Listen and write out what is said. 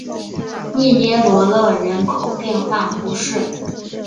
利涅罗勒人口变化图示